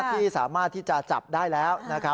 ที่สามารถที่จะจับได้แล้ว